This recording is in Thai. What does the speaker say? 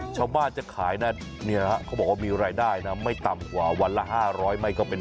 ชาวบ้านจะขายนะเขาบอกว่ามีรายได้นะไม่ต่ำกว่าวันละ๕๐๐ไม่ก็เป็น